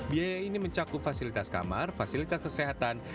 biaya ini mencakup fasilitas kamar fasilitas kesehatan